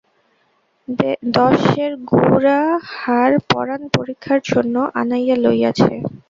দশ সের গুড়া হাড় পরাণ পরীক্ষার জন্য আনাইয়া লইয়াছে।